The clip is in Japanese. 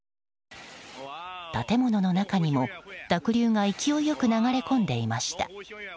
建物の中にも濁流が勢いよく流れ込んできました。